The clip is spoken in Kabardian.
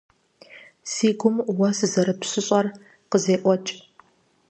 Си гум уэ сызэрыпщыщӀэр къызеӀуэкӀ.